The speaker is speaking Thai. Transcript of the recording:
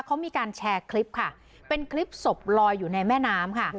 เขามีการแชร์คลิปค่ะเป็นคลิปศพลอยอยู่ในแม่น้ำค่ะ